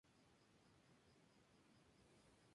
Militó en las filas del Partido Radical.